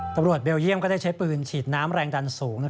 เบลเยี่ยมก็ได้ใช้ปืนฉีดน้ำแรงดันสูง